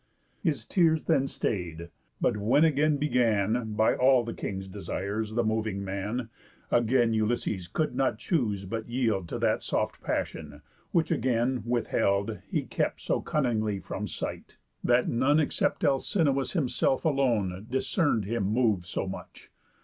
His tears then stay'd. But when again began, By all the kings' desires, the moving man, Again Ulysses could not choose but yield To that soft passion, which again, withheld, He kept so cunningly from sight, that none, Except Alcinous himself alone, Discern'd him mov'd so much.